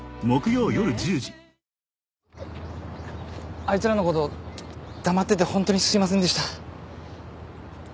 あいつらのこと黙っててホントにすいませんでした。